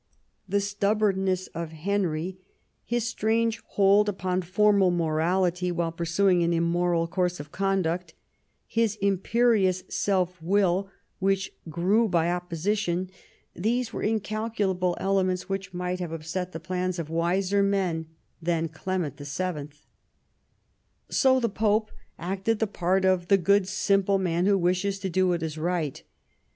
The stubbornness of Henry, his strange hold upon formal morality while pursuing an immoral course of conduct, his imperious self will, which grew by opposition — these were incalculable elements which might have upset the plans of wiser men than Clement VIL So thq Pope acted the part of the good simple man who wishes to do what is right.